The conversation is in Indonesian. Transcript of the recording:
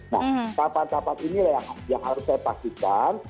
nah tahapan tahapan inilah yang harus saya pastikan